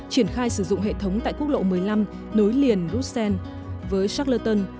triển khai sử dụng hệ thống tại quốc lộ một mươi năm nối liền rutzen với shackleton